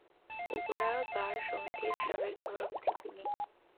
Bogura bar সমিতির সাবেক সভাপতি তিনি।